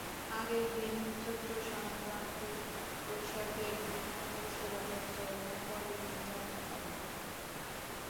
আগের দিন চৈত্রসংক্রান্তি, বৈশাখের দিন মঙ্গল শোভাযাত্রা এবং পরের দিন যাত্রাপালা।